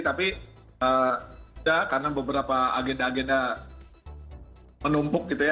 tapi tidak karena beberapa agenda agenda menumpuk gitu ya